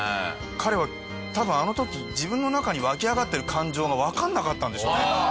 彼は多分あの時自分の中に湧き上がってる感情がわかんなかったんでしょうね。